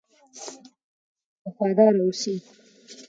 وفادار اوسئ.